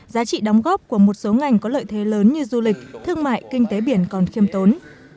giá trị đóng góp của một số ngành có lợi thế lớn như du lịch thương mại kinh tế biển còn khiêm tốn